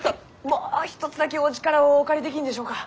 もう一つだけお力をお借りできんでしょうか？